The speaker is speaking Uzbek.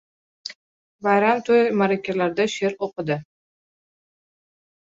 Bayram, to‘y-ma’rakalarda she’r o‘qidi.